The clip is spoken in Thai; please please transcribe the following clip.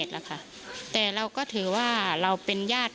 พุ่งเข้ามาแล้วกับแม่แค่สองคน